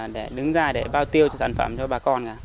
để đứng ra để bao tiêu sản phẩm cho bà con cả